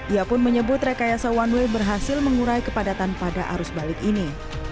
ia pun menyebut rekayasa one way berhasil mengurai kepadatan pada arus balik ini